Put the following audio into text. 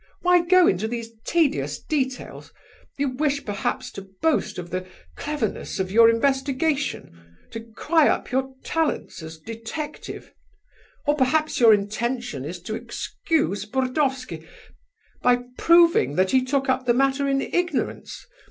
Why go into these tedious details? You wish perhaps to boast of the cleverness of your investigation, to cry up your talents as detective? Or perhaps your intention is to excuse Burdovsky, by proving that he took up the matter in ignorance?